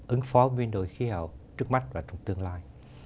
ứng phó biến đổi khí hậu trước mắt và trong tương lai